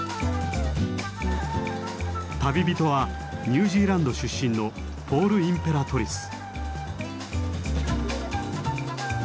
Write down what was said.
旅人はニュージーランド出身のポール・インペラトリス。